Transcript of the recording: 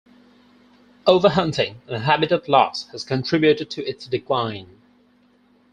Overhunting and habitat loss has contributed to its decline.